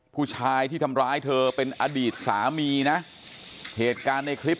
ผู้ชายที่ทำร้ายเธอเป็นอดีตสามีนะเหตุการณ์ในคลิป